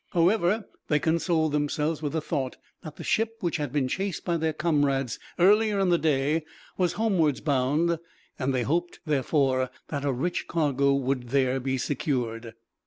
However, they consoled themselves with the thought that the ship which had been chased by their comrades, earlier in the day, was homewards bound; and they hoped, therefore, that a rich cargo would there be secured.